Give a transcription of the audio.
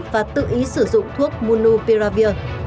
và tự ý sử dụng thuốc munupiravir